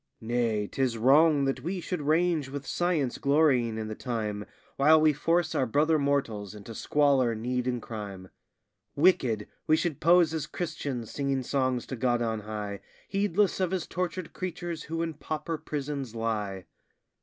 Nay, 'tis wrong that we should range with science glorying in the time, While we force our brother mortals into squalor, need, and crime; Wicked we should pose as Christians singing songs to God on high, Heedless of his tortured creatures who in pauper prisons lie.